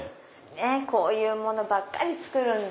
こういうものばっかり作るんで。